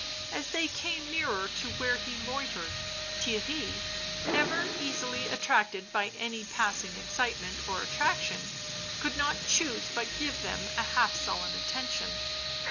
As they came nearer to where he loitered, Theirry, ever easily attracted by any passing excite ment or attraction, could not choose but give them a half sullen attention.